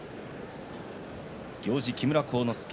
行司は木村晃之助。